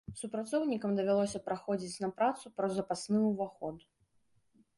Супрацоўнікам давялося праходзіць на працу праз запасны ўваход.